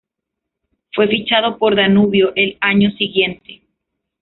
Fue fichado por Danubio al año siguiente.